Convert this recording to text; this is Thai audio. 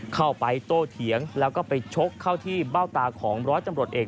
เข้าไปโตเถียงแล้วก็ไปชกเข้าที่เบ้าตาของร้อยตำรวจเอก